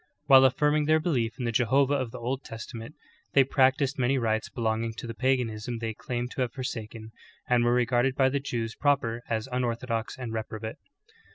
While alarming their belief in the Jehovah of the Old Testament, they practiced many rites belonging to the paganism they claimed to have forsaken, and were regarded by the Jews proper as unorthodox and reprobate.